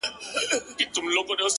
• گوندي وي چي یوه ورځ دي ژوند بهتر سي,